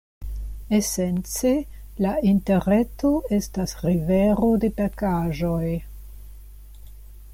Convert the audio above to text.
Esence la Interreto estas rivero de pakaĵoj.